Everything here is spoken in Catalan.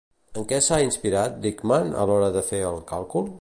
En què s'ha inspirat Dickman a l'hora de fer el càlcul?